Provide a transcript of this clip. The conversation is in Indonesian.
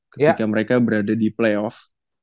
ketika mereka berada di play off